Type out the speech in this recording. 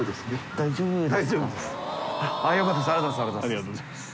ありがとうございます。